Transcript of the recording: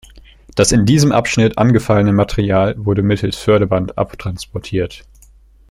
Das in diesem Abschnitt angefallene Material wurde mittels Förderband abtransportiert.